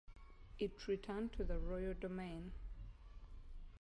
It returned to the royal domain.